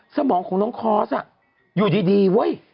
สมองของน้องคอร์สอยู่ดีเว้ย